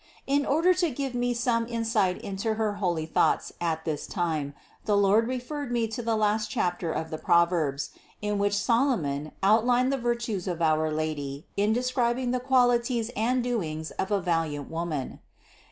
In order to give me some insight into her holy thoughts at this time, the Lord referred me to the last chapter of the Proverbs, in which Solomon outlined the virtues of our Lady in de scribing the qualities and doings of a valiant woman.